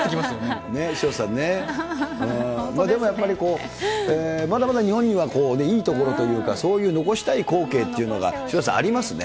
潮田さんね、でもやっぱり、まだまだ日本にはいい所というか、そういう残したい後継っていうのが渋谷さん、ありますね。